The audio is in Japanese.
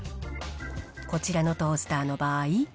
こちらのトースターの場合。